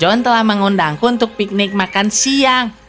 john telah mengundangku untuk piknik makan siang